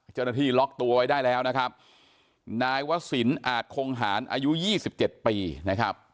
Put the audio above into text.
เจ้าหน้าที่ล็อกตัวไว้ได้แล้วนะครับนายวศิลปอาจคงหารอายุยี่สิบเจ็ดปีนะครับ